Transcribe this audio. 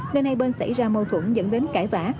nên hai bên xảy ra mâu thuẫn dẫn đến cãi vã